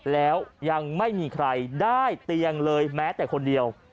แล้วยังไม่มีใครได้เตียงเลยแม้แต่คนเดียว